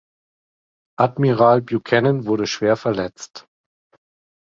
Admiral Buchanan wurde schwer verletzt.